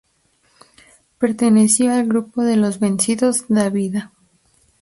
Perteneció al grupo de los "Vencidos da Vida".